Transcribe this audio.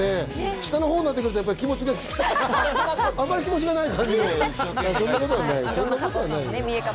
下のほうになってくると、あまり気持ちがない感じで、そんなことはない。